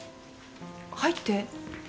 入って。